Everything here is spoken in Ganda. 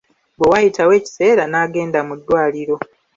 Bwe waayitawo ekiseera n'agenda mu ddwaliro.